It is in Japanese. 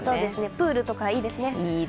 プールとか、いいですね。